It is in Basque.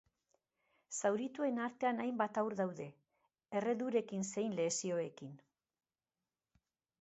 Zaurituen artean hainbat haur daude, erredurekin zein lesioekin.